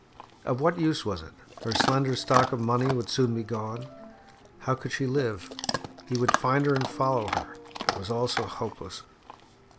Of what use was it? Her slender stock of money would soon be gone; how could she live? He would find her and follow her. It was all so hopeless!